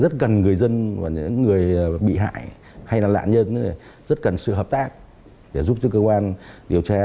rất cần người dân người bị hại hay là lạ nhân rất cần sự hợp tác để giúp cơ quan điều tra